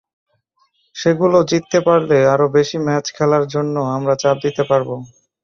সেগুলো জিততে পারলে আরও বেশি ম্যাচ খেলার জন্য আমরা চাপ দিতে পারব।